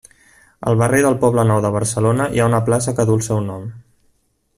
Al barri del Poblenou de Barcelona hi ha una plaça que du el seu nom.